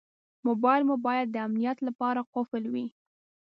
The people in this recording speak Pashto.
موبایل مو باید د امنیت لپاره قلف وي.